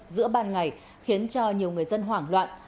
giữa ban ngày khiến cho nhiều người dân hoảng loạn